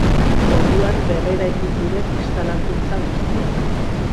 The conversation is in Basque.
Orduan berreraiki ziren instalakuntza guztiak.